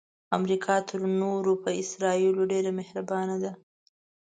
امریکا تر نورو په اسراییلو ډیره مهربانه ده.